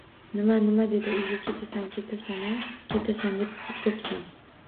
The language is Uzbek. — Nima-nima?! — dedi. — Uyga ketasan? Ketasan-a, ketasan, ketib bo‘psan!